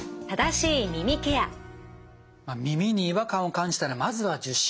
耳に違和感を感じたらまずは受診。